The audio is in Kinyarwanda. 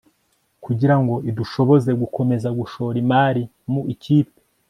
kugirango idushoboze gukomeza gushora imari mu ikipe